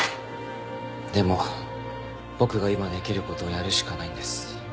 でも僕が今できることをやるしかないんです。